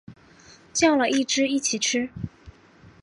叫了一只一起吃